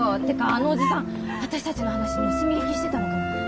てかあのおじさん私たちの話盗み聞きしてたのかな。